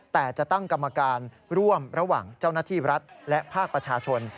แต่จะตั้งกรรมการร่วมระหว่างเจ้าหน้าที่รัฐและภาคประชาชน